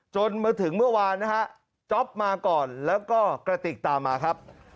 จนมาถึงเมื่อวานนะฮะจ๊อปมาก่อนแล้วก็กระติกตามมาครับ